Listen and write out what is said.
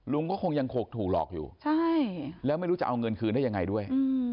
ก็คงยังคงถูกหลอกอยู่ใช่แล้วไม่รู้จะเอาเงินคืนได้ยังไงด้วย